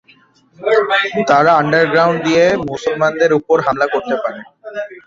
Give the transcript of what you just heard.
তারা আন্ডারগ্রাউন্ড দিয়ে মুসলমানদের উপর হামলা করতে পারে।